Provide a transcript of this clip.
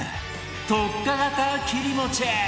特化型切り餅